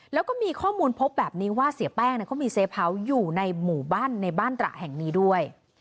แล้วก็มีข้อมูลพบแบบนี้ว่าเสียแป้งเขามีเซเผาอยู่ในหมู่บ้านในบ้านตระแห่งนี้ด้วย